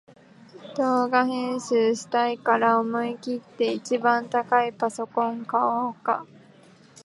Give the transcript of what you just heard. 動画編集したいから思いきって一番高いパソコン買おうか